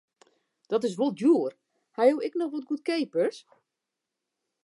Dit is wol djoer, ha jo ek noch wat goedkeapers?